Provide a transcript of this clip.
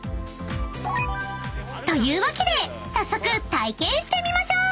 ［というわけで早速体験してみましょう］